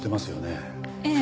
ええ。